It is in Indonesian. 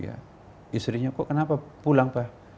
ya istrinya kok kenapa pulang pak